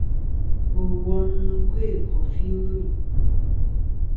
Bò wom nɨ̀n kœ̂ kòfi lvîn.